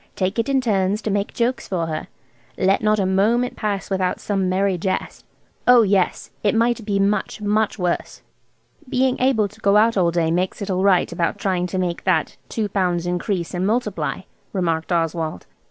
Take it in turns to make jokes for her. Let not a moment pass without some merry jest?' Oh yes, it might be much, much worse." "Being able to get out all day makes it all right about trying to make that two pounds increase and multiply," remarked Oswald.